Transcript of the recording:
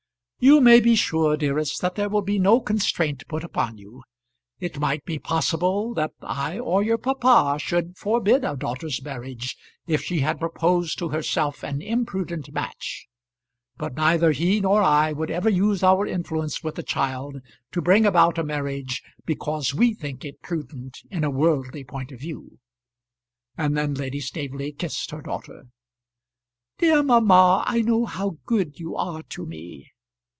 "You may be sure, dearest, that there will be no constraint put upon you. It might be possible that I or your papa should forbid a daughter's marriage, if she had proposed to herself an imprudent match; but neither he nor I would ever use our influence with a child to bring about a marriage because we think it prudent in a worldly point of view." And then Lady Staveley kissed her daughter. "Dear mamma, I know how good you are to me."